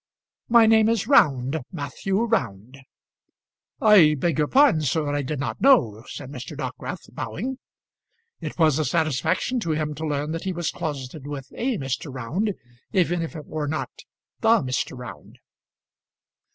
"My name is Round Matthew Round." "I beg your pardon, sir; I did not know," said Mr. Dockwrath, bowing. It was a satisfaction to him to learn that he was closeted with a Mr. Round, even if it were not the Mr. Round.